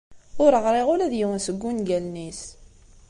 Ur ɣṛiɣ ula d yiwen seg ungalen-is.